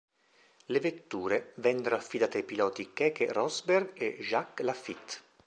Le vetture vennero affidate ai piloti Keke Rosberg e Jacques Laffite.